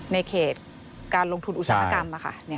ในเขตการลงทุนอุตสาหกรรม